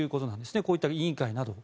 こういった委員会などを。